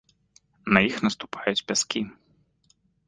На іх наступаюць пяскі.